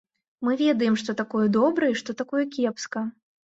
Мы ведаем, што такое добра і што такое кепска.